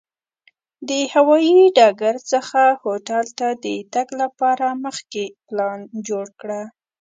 د هوایي ډګر څخه هوټل ته د تګ لپاره مخکې پلان جوړ کړه.